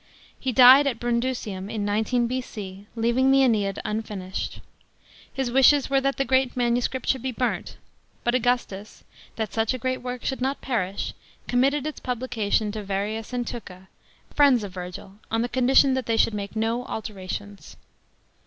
He died at Brundusium in 19 B.C., leaving the Mneid. unfinished. His wishes were that the manuscript should be burnt, but Augustus, that such a great work should not perish, committed its publication to Varius and Tucca, friends of Virgil, on the condition that they should make no alterations.